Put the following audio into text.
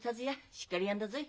しっかりやんだぞい。